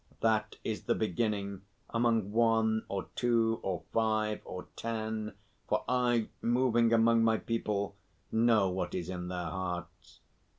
That is the beginning, among one or two, or five or ten for I, moving among my people, know what is in their hearts."